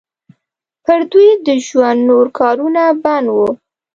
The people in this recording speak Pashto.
پر دوی د ژوند نور کارونه بند وو.